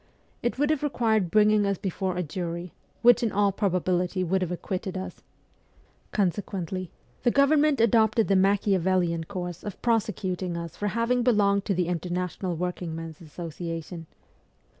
It would have required bringing us before a jury, which in all probability would have acquitted us. Consequently, the government adopted the Machiavellian course of prosecuting us for having belonged to the Inter national Workingmen's Association.